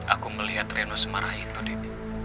aku melihat reno semarah itu deh